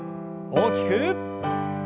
大きく。